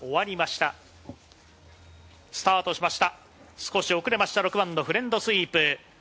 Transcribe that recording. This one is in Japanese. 少し遅れました６番フレンドスイープ。